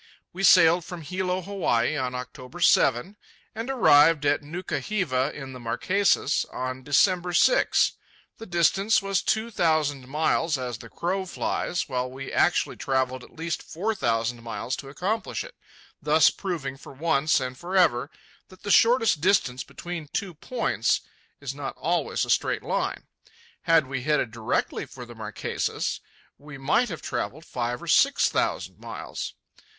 We sailed from Hilo, Hawaii, on October 7, and arrived at Nuka hiva, in the Marquesas, on December 6. The distance was two thousand miles as the crow flies, while we actually travelled at least four thousand miles to accomplish it, thus proving for once and for ever that the shortest distance between two points is not always a straight line. Had we headed directly for the Marquesas, we might have travelled five or six thousand miles.